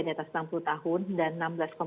cakupan saat ini untuk tahap kedua memang masih cukup